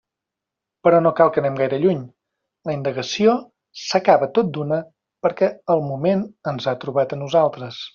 Però no cal que anem gaire lluny, la indagació s'acaba tot d'una perquè el moment ens ha trobat a nosaltres.